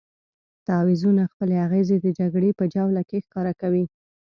تعویضونه خپلې اغېزې د جګړې په جوله کې ښکاره کوي.